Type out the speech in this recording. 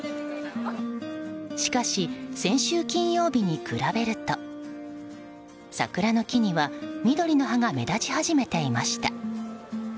しかし先週金曜日に比べると桜の木には緑の葉が目立ち始めていました。